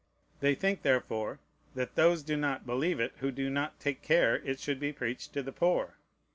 They think, therefore, that those do not believe it who do not take care it should be preached to the poor.